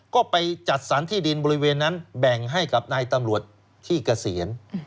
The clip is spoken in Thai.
ก็ไปจัดสรรที่ดินบริเวณนั้นแบ่งให้กับนายตำรวจที่เกษียณ